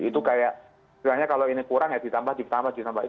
itu kayak kalau ini kurang ya ditambah ditambah ditambah